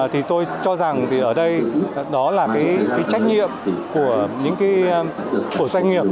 thì tôi cho rằng thì ở đây đó là cái trách nhiệm của những cái của doanh nghiệp